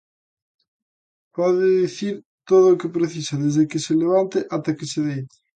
Pode dicir todo o que precisa desde que se levanta até que se deita.